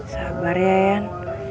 sabar ya iyan